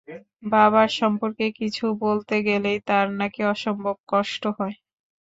বাবার সম্পর্কে কিছু বলতে গেলেই তাঁর নাকি অসম্ভব কষ্ট হয়।